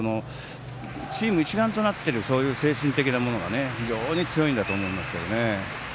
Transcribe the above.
チーム一丸となっているそういう精神的なものが非常に強いんだと思いますけどね。